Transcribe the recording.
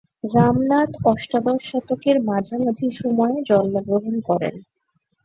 রামনাথ অষ্টাদশ শতকের মাঝামাঝি সময়ে জন্মগ্রহণ করেন।